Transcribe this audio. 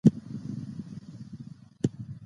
د ملي بریاوو جشن د ګډ افتخار نښه ده.